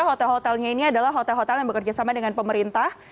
hotel hotelnya ini adalah hotel hotel yang bekerja sama dengan pemerintah